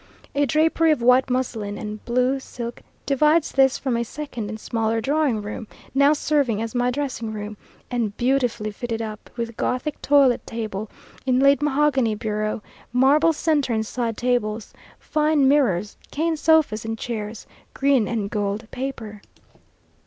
A drapery of white muslin and blue silk divides this from a second and smaller drawing room, now serving as my dressing room, and beautifully fitted up, with Gothic toilet table, inlaid mahogany bureau, marble centre and side tables, fine mirrors, cane sofas and chairs, green and gold paper.